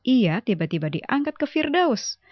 ia tiba tiba diangkat ke firdaus